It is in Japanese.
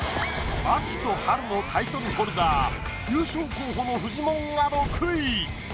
秋と春のタイトルホルダー優勝候補のフジモンが６位。